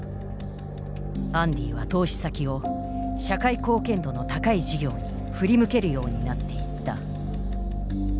アンディは投資先を社会貢献度の高い事業に振り向けるようになっていった。